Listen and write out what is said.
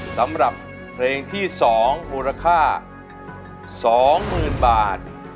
สำหรับเพลงที่สองมูลค่าสองหมื่นบาท